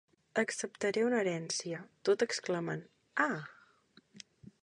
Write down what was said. Acceptaré una herència, tot exclamant “ah”.